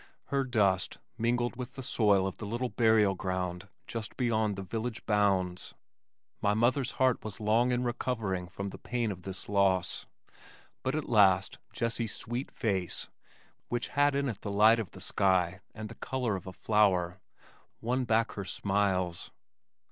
Her dust mingled with the soil of the little burial ground just beyond the village bounds. My mother's heart was long in recovering from the pain of this loss, but at last Jessie's sweet face, which had in it the light of the sky and the color of a flower, won back her smiles.